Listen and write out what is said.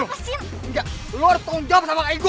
engga lu harus tanggung jawab sama kaya gua